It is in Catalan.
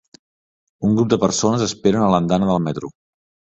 Un grup de persones esperen a l'andana del metro